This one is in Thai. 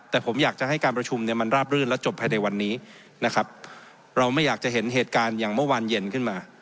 แต่ผมอยากจะให้การประชุมเนี่ยมันราบรื่นและจบภายในวันนี้นะครับเราไม่อยากจะเห็นเหตุการณ์อย่างเมื่อวานเย็นขึ้นมา